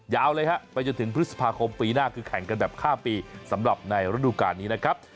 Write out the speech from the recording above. เลยฮะไปจนถึงพฤษภาคมปีหน้าคือแข่งกันแบบข้ามปีสำหรับในฤดูการนี้นะครับ